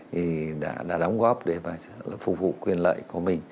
thì đã đóng góp để phục vụ quyền lợi